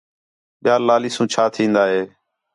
ٻِیال لالیسوں چَھا تِھین٘دا ہے